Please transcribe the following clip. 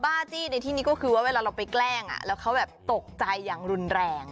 จี้ในที่นี้ก็คือว่าเวลาเราไปแกล้งแล้วเขาแบบตกใจอย่างรุนแรง